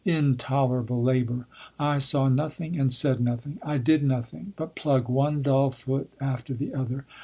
Intolerable labour! I saw nothing and said nothing. I did nothing but plug one dull foot after the other.